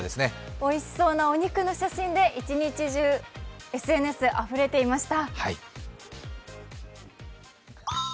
おいしそうなお肉の写真で一日中、ＳＮＳであふれていました。